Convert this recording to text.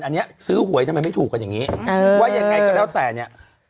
อันนี้ซื้อหวยทำไมไม่ถูกกันอย่างนี้ว่ายังไงก็แล้วแต่เนี่ย